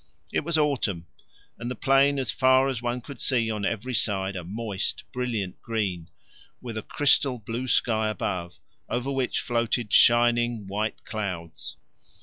It was autumn, and the plain as far as one could see on every side a moist brilliant green, with a crystal blue sky above, over which floated shining white clouds.